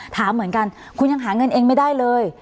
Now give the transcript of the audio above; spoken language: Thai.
ถามเหมือนกันคุณยังหาเงินเองไม่ได้เลย